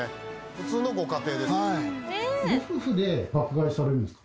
普通のご家庭です。